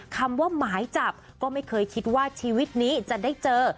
คำว่าหมายจับก็ไม่เคยคิดว่าชีวิตนี้จะได้เจอ